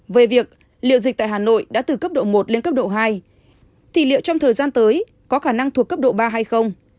về việc liệu dịch tại hà nội đã từ cấp độ một lên cấp độ hai thì liệu trong thời gian tới có khả năng thuộc cấp độ ba hay không